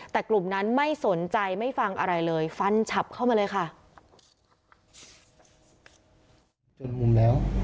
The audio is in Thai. แต่กลุ่มนั้นไม่สนใจไม่ฟังอะไรเลยฟันฉับเข้ามาเลยค่ะจนมุมแล้ว